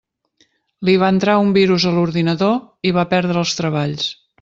Li va entrar un virus a l'ordinador i va perdre els treballs.